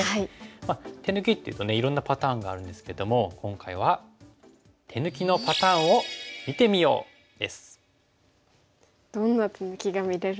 手抜きっていうといろんなパターンがあるんですけども今回はどんな手抜きが見れるんでしょうか。